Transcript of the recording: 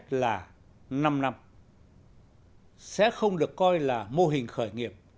kết quả là năm năm sẽ không được coi là mô hình khởi nghiệp